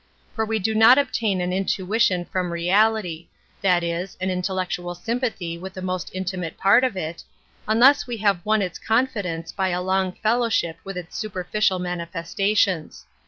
For , we do not obtain an intuition from reality — that is, an intellectual sympathy with the most intimate part of it — unless we have' won its confidence by a long fellowship/ j \idth its superficial manifestations.